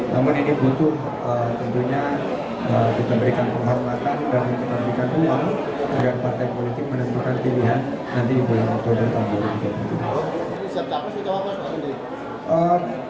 namun ini butuh tentunya kita berikan penghormatan dan kita berikan uang agar partai politik menentukan pilihan nanti di bulan oktober tahun dua ribu dua puluh